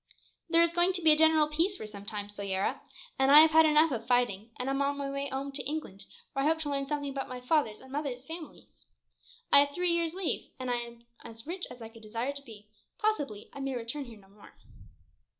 "There is going to be a general peace for some time, Soyera; and I have had enough of fighting, and am on my way home to England, where I hope to learn something about my father's and mother's families. I have three years' leave, and as I am as rich as I could desire to be, possibly I may return here no more."